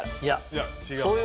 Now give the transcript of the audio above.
いや違う。